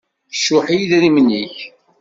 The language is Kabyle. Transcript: Cuḥ i yidrimen-ik.